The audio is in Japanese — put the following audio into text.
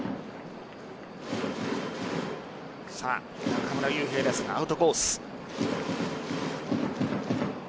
中村悠平ですが、アウトコース。